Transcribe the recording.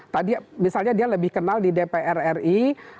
tadi misalnya dia lebih kenal di dpr ri